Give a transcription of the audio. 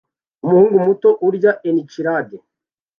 Umuhungu muto urya enchilada